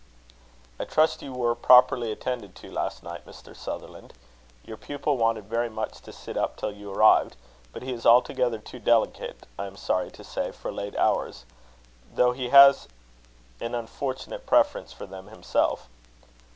"I trust you were properly attended to last night, Mr. Sutherland? Your pupil wanted very much to sit up till you arrived, but he is altogether too delicate, I am sorry to say, for late hours, though he has an unfortunate preference for them himself.